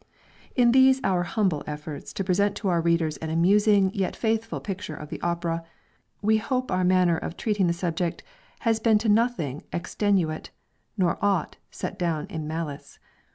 In these our humble efforts to present to our readers an amusing yet faithful picture of the opera, we hope our manner of treating the subject has been to nothing extenuate nor aught set down in malice.